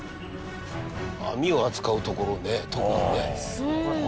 網を扱うところね、特にね。